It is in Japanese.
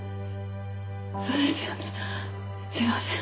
そうですよねすみません。